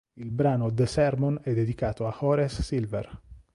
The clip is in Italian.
Il brano "The Sermon" è dedicato a Horace Silver.